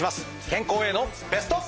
健康へのベスト。